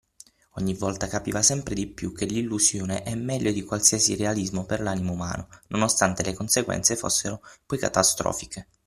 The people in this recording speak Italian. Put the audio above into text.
Ogni volta capiva sempre di più che l’illusione è meglio di qualsiasi realismo per l’animo umano, nonostante le conseguenze fossero poi catastrofiche.